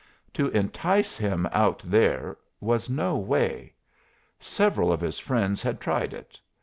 To entice him out there was no way. Several of his friends had tried it.